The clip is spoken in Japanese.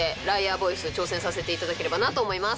ボイス挑戦させていただければなと思います。